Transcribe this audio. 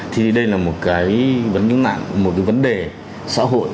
thì đây là một cái vấn đề xã hội